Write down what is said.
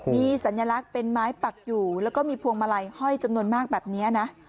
มีสัญลักษณ์เป็นไม้ปักอยู่แล้วก็มีพวงมาลัยห้อยจำนวนมากแบบนี้นะ